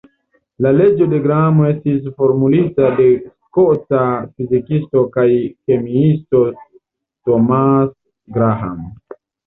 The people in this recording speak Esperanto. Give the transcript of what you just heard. La leĝo de Graham estis formulita de skota fizikisto kaj kemiisto Thomas Graham.